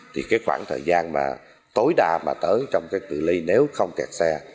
thì cái khoảng thời gian mà tối đa mà tới trong cái tự ly nếu không kẹt xe